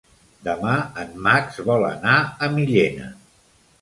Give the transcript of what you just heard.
Demà en Max vol anar a Millena.